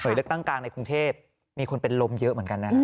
เลือกตั้งกลางในกรุงเทพมีคนเป็นลมเยอะเหมือนกันนะครับ